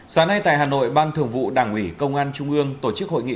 sáng nay tại hà nội ban thường vụ đảng ủy công an trung ương tổ chức hội nghị